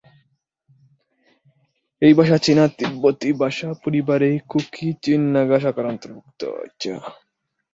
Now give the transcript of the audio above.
এই ভাষা চীনা-তিব্বতি ভাষা পরিবারের কুকি-চিন-নাগা শাখার অন্তর্ভুক্ত।